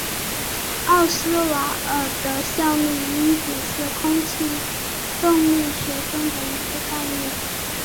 奥斯瓦尔德效率因子是空气动力学中的一个概念。